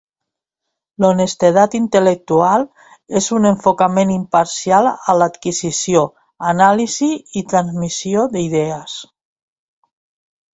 L'honestedat intel·lectual és un enfocament imparcial a l'adquisició, anàlisi i transmissió d'idees.